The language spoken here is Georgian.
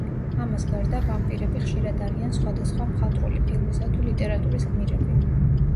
ამას გარდა, ვამპირები ხშირად არიან სხვადასხვა მხატვრული ფილმისა თუ ლიტერატურის გმირები.